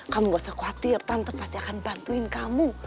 kamu gak usah khawatir tante pasti akan bantuin kamu